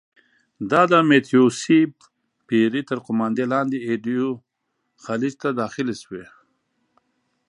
دا د متیو سي پیري تر قوماندې لاندې ایدو خلیج ته داخلې شوې.